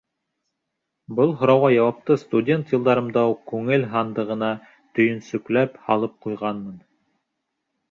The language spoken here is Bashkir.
Был һорауға яуапты студент йылдарымда уҡ күңел һандығына төйөнсөкләп һалып ҡуйғанмын.